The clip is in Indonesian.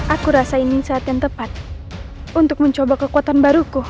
aku rasa ingin saat yang tepat untuk mencoba kekuatan baruku